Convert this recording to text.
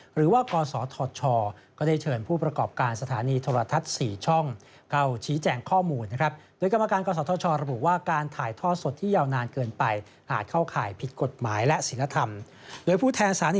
หรือว่ากรสอทชก็ได้เชิญผู้ประกอบการสถานีธรรทัศน์๔ช่อง